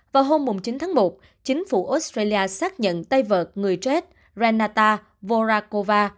vào hôm chín tháng một chính phủ australia xác nhận tay vợt người trết renata vorakova